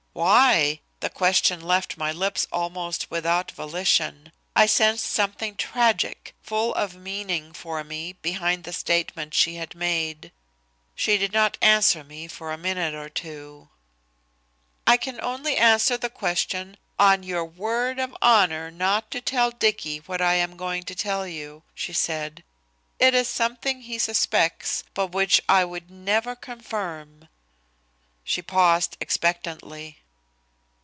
"Why?" The question left my lips almost without volition. I sensed something tragic, full of meaning for me behind the statement she had made. She did not answer me for a minute or two. "I can only answer that question on your word of honor not to tell Dicky what I am going to tell you," she said. "It is something he suspects, but which I would never confirm." She paused expectantly.